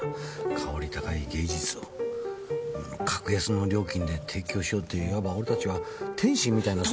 薫り高い芸術を格安の料金で提供しようっていういわば俺たちは天使みたいな。